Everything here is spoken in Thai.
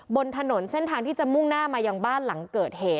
บนถนนเส้นทางที่จะมุ่งหน้ามายังบ้านหลังเกิดเหตุ